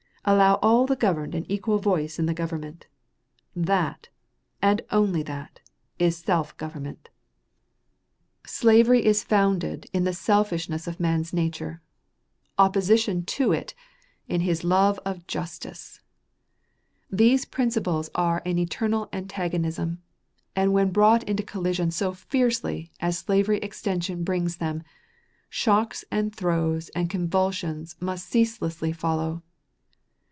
Allow all the governed an equal voice in the government; that, and that only, is self government. Slavery is founded in the selfishness of man's nature opposition to it, in his love of justice. These principles are an eternal antagonism; and when brought into collision so fiercely as slavery extension brings them, shocks and throes and convulsions must ceaselessly follow.